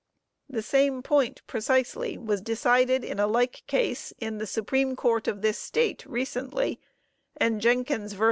The same point precisely was decided in a like case, in the Supreme Court of this State recently and _Jenkins vs.